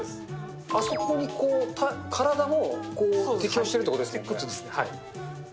あそこに体もこう適応してるっていうことですよね？